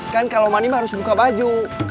kan kalau mandi mah harus buka baju